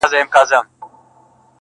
پېړۍ په ویښه د کوډګرو غومبر وزنګول،